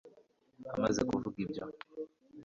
amaze kuvuga ibyo